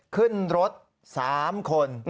ขึ้นรถ๓คน